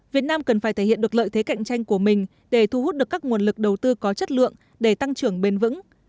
việt nam cần phải thể hiện được lợi thế cạnh tranh của mình để thu hút được các nguồn lực đầu tư có chất lượng để tăng trưởng bền vững